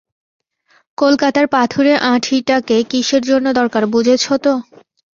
কলকাতার পাথুরে আঁঠিটাকে কিসের জন্য দরকার বুঝেছ তো?